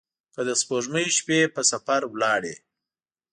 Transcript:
که د سپوږمۍ شپې په سفر ولاړي